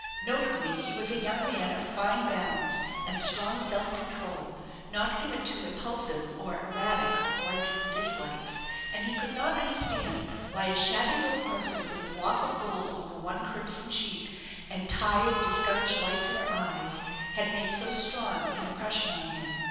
Notably he was a young man of fine balance and strong self control, not given to impulsive or erratic likes and dislikes; and he could not understand why a shabby little person with a lock of gold over one crimson cheek, and tired, discouraged lights in her had made so strong an impression upon him.